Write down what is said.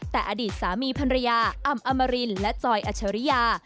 แต่อดีตสามีพันรยาอ่ำอมรินและจอยอัชริยา